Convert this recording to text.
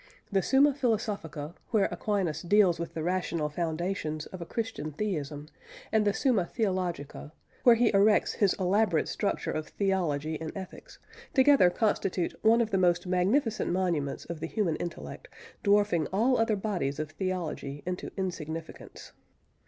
The Summa Philosophica, where Aquinas deals with the rational foundations of a Christian Theism, and the Summa Theologica, where he erects his elaborate structure of theology and ethics, together constitute "one of the most magnificent monuments of the human intellect, dwarfing all other bodies of theology into insignificance."